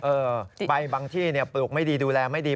ใบบางที่ปลูกไม่ดีดูแลไม่ดี